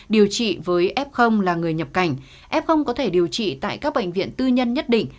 điều trị với f là người nhập cảnh f có thể điều trị tại các bệnh viện tư nhân nhất định